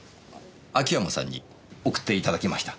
秋山さんに送っていただきました。